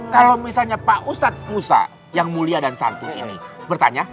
kalau misalnya pak ustadz musa yang mulia dan santun ini bertanya